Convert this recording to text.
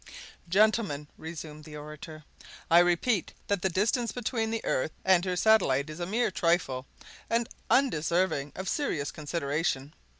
"Gentlemen," resumed the orator, "I repeat that the distance between the earth and her satellite is a mere trifle, and undeserving of serious consideration.